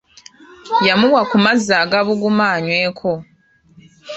Yamuwa ku mazzi agabuguma anyweko.